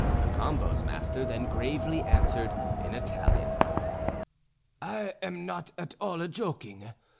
Cacambo's master then gravely answered in Italian: "I am not at all joking.